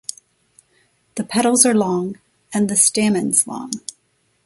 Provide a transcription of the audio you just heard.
The petals are long and the stamens long.